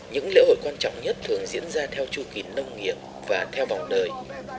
những lễ hội quan trọng nhất thường diễn ra theo chu kỷ nông nghiệp và theo bóng đời